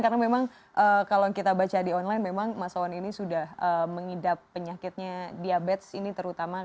karena memang kalau kita baca di online memang mas oon ini sudah mengidap penyakitnya diabetes ini terutama